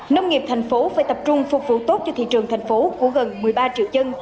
nông nghiệp thành phố phải tập trung phục vụ tốt cho thị trường thành phố của gần một mươi ba triệu dân